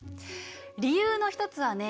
理由の一つはね